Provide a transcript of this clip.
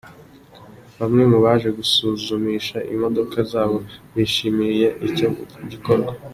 Bamwe mu baje gusuzumisha imodoka zabo bishimiye icyo gikorwa.